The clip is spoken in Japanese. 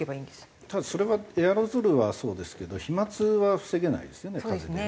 ただそれはエアロゾルはそうですけど飛沫は防げないですよね風でね。